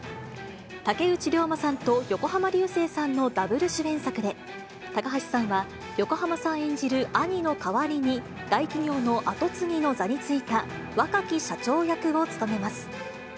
竹内涼真さんと横浜流星さんのダブル主演作で、高橋さんは、横浜さん演じる兄の代わりに、大企業の後継ぎの座に就いた若き社長役を務めます。